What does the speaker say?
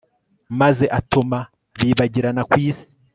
maze atuma bibagirana ku isi